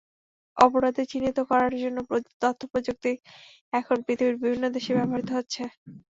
অপরাধী চিহ্নিত করার জন্য তথ্যপ্রযুক্তি এখন পৃথিবীর বিভিন্ন দেশে ব্যবহৃত হচ্ছে।